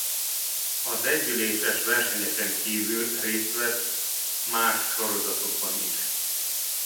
Az együléses versenyeken kívül részt vett más sorozatokban is.